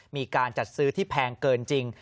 มีการจัดซื้อที่แพงเกินจริง